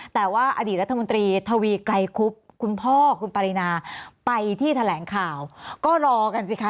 แต่ว่าอดีตรัฐมนตรีทวีไกลคุบคุณพ่อคุณปรินาไปที่แถลงข่าวก็รอกันสิคะ